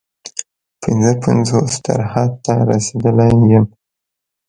پنځه پنځوس تر حد ته رسېدلی یم.